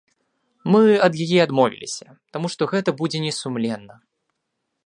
Мы ад яе адмовіліся, таму што гэта будзе не сумленна.